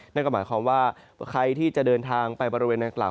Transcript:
นั่นก็หมายความว่าใครที่จะเดินทางไปบริเวณนางกล่าว